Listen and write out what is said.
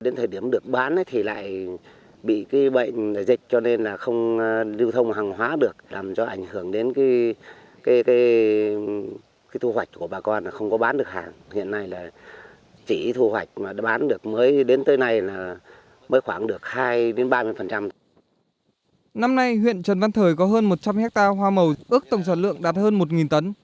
năm nay huyện trần văn thời có hơn một trăm linh hectare hoa màu ước tổng sản lượng đạt hơn một tấn